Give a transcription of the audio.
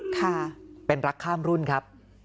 ค่ะเป็นรักข้ามรุ่นครับ